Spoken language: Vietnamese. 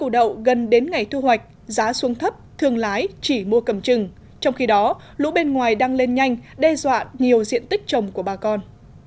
đậu gần đến ngày thu hoạch giá xuống thấp thương lái chỉ mua cầm chừng trong khi đó lũ bên ngoài đang lên nhanh đe dọa nhiều diện tích trồng của bà con